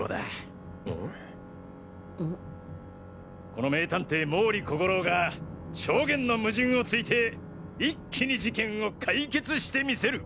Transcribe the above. この名探偵毛利小五郎が証言の矛盾をついていっきに事件を解決してみせる！